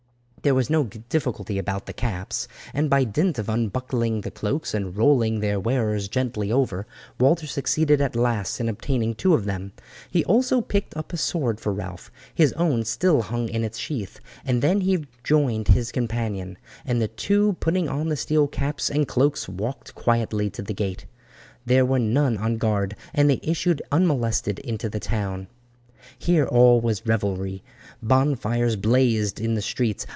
There was no difficulty about the caps, and by dint of unbuckling the cloaks and rolling their wearers gently over, Walter succeeded at last in obtaining two of them. He also picked up a sword for Ralph his own still hung in its sheath and then he joined his companion, and the two putting on the steel caps and cloaks walked quietly to the gate. There were none on guard, and they issued unmolested into the town. Here all was revelry. Bonfires blazed in the streets.